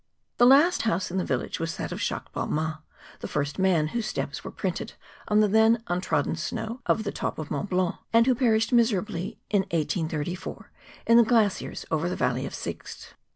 The last house in the village was that of Jacques Balmat, the first man whose steps were printed on the then untrodden snow on the top of Mont Blanc, and who perished miserably, in 1834, in the glaciers over the Valley of Sixt.